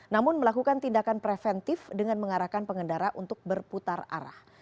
namun melakukan tindakan preventif dengan mengarahkan pengendara untuk berputar arah